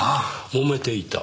もめていた？